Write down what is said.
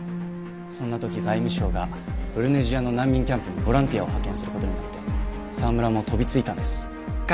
そんな時外務省がブルネジアの難民キャンプにボランティアを派遣する事になって沢村も飛びついたんです。